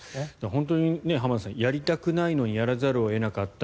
本当にやりたくないのにやらざるを得なかった。